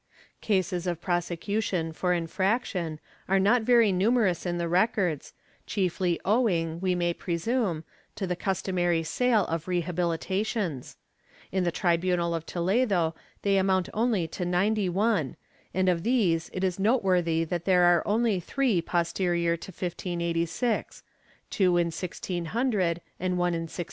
^ Cases of prosecution for infraction are not very numerous in the records, chiefly owing, we may presume, to the customary sale of rehabilitations; in the tribunal of Toledo they amount only to ninety one and of these it is noteworthy that there are only three posterior to 1586 — two in 1600 and one in 1616.